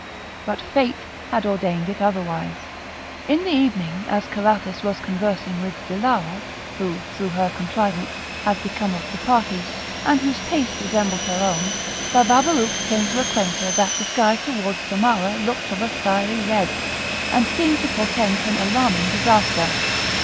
But Fate had ordained it otherwise. In the evening, as Carathis was conversing with Dilara, who, through her contrivance, had become of the party, and whose taste resembled her own, Bababalouk came to acquaint her "that the sky towards Samarah looked of a fiery red, and seemed to portend some alarming disaster."